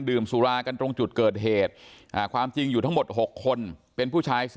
สุรากันตรงจุดเกิดเหตุความจริงอยู่ทั้งหมด๖คนเป็นผู้ชาย๑๐